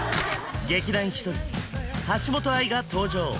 劇団ひとり橋本愛が登場